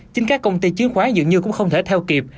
chính các công ty chiến khóa dường như cũng không thể theo kịp